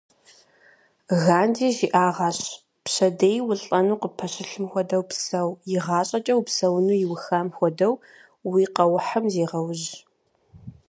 Ганди жиӏагъащ: пщэдей улӏэну къыппэщылъым хуэдэу псэу, игъащӏэкӏэ упсэуну иухам хуэдэу уи къэухьым зегъэужь.